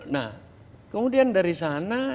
nah kemudian dari sana